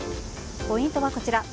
ポイントはこちら。